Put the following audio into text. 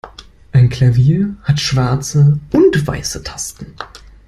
Ein Klavier hat schwarze und weiße Tasten.